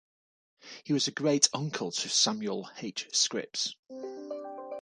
He was a great uncle to Samuel H. Scripps.